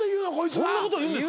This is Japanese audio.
俺そんなこと言うんだ。